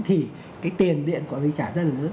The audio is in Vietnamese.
thì cái tiền điện của mình trả rất là lớn